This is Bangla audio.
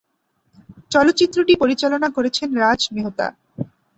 চলচ্চিত্রটি পরিচালনা করেছেন রাজ মেহতা।